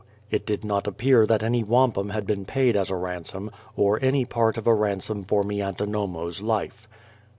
It did not appear that any wampum had been paid as a ransom, or any part of a ransom for Miantinomo's life.